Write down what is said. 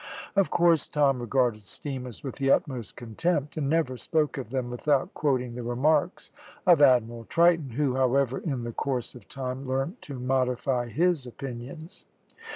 Of course Tom regarded steamers with the utmost contempt, and never spoke of them without quoting the remarks of Admiral Triton, who, however, in the course of time, learnt to modify his opinions.